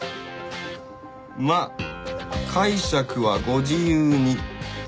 まあ解釈はご自由に。